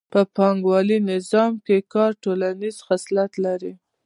په پانګوالي نظام کې کار ټولنیز خصلت لري